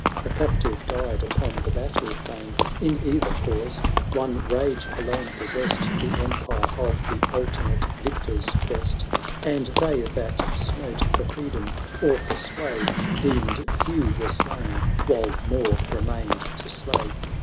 The captive died upon the battle plain: In either cause, one rage alone possessed The empire of the alternate victor's breast; 920 And they that smote for freedom or for sway. Deemed few were slain, while more re mained to slay.